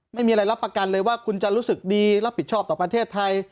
ไม่มีอะไรรับประกันเลยว่าคุณจะรู้สึกดีรับผิดชอบต่อประเทศไทย